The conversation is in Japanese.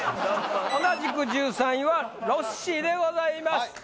同じく１３位はロッシーでございます。